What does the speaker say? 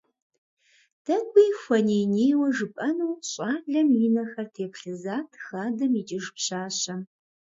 ТӀэкӀуи хуэней-нейуэ жыпӀэну щӏалэм и нэхэр теплъызат хадэм икӀыж пщащэм.